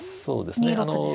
そうですね。